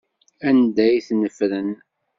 Anda ay ten-ffren?